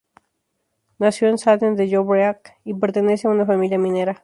Nació en Sallent de Llobregat y pertenece a una familia minera.